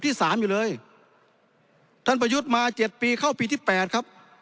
ที่สามอยู่เลยท่านประยุทธ์มาเจ็ดปีเข้าปีที่แปดครับ